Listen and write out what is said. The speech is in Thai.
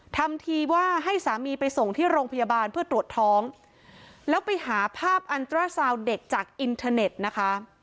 ทำทีว่าให้สามีไปส่งที่โรงพยาบาลเพื่อตรวจท้องแล้วไปหาภาพอันตราซาวเด็กจากอินเทอร์เน็ตนะคะ